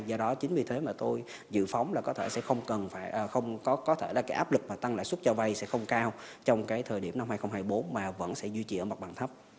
do đó chính vì thế mà tôi dự phóng là có thể áp lực tăng lãi suất cho vay sẽ không cao trong thời điểm năm hai nghìn hai mươi bốn mà vẫn sẽ duy trì ở mặt bằng thấp